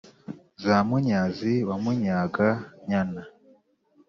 za munyazi wa munyaga-nyana,